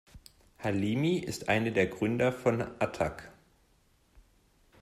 Halimi ist eine der Gründer von Attac.